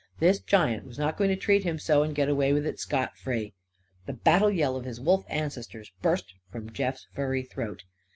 This giant was not going to treat him so and get away with it scot free. The battle yell of his wolf ancestors burst from Jeff's furry throat.